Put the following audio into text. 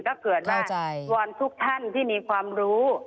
ถ้าเกิดว่าวอนทุกท่านที่มีความรู้